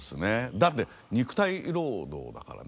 だって肉体労働だからね。